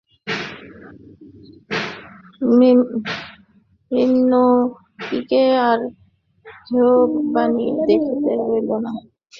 মৃন্ময়ীকে আর কেহ বাহিরে দেখিতে পাইল না।